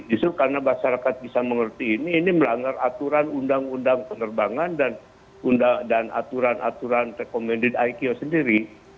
justru karena masyarakat bisa mengerti ini ini melanggar aturan undang undang penerbangan dan aturan aturan iko sendiri